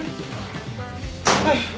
はい。